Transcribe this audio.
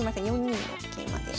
４二の桂馬で。